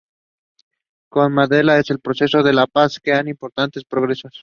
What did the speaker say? Con Mandela, el proceso de paz ha revivido y han tenido lugar importantes progresos.